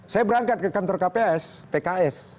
saya berangkat ke kantor kps pks